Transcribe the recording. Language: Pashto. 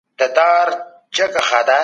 خپل ځان له زهرجن دود څخه وساتئ.